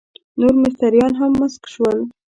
نور مستریان هم مسک شول.